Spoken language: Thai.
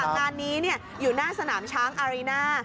งานนี้อยู่หน้าสนามช้างอารีน่า